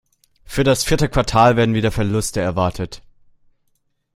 Für das vierte Quartal werden wieder Verluste erwartet.